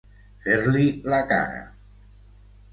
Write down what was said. Fer-li la cara.